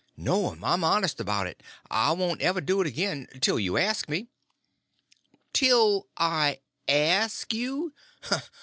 "No'm, I'm honest about it; I won't ever do it again—till you ask me." "Till I ask you!